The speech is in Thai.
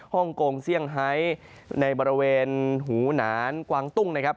ฮ่องกงเซี่ยงไฮในบริเวณหูหนานกวางตุ้งนะครับ